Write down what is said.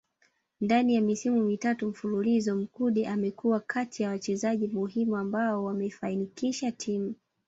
Ndani ya misimu mitatu mfululizo Mkude amekuwa kati ya wachezaji muhimu ambao wameifanikisha timu